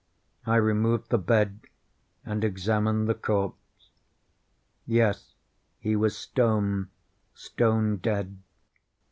I removed the bed and examined the corpse. Yes, he was stone, stone dead.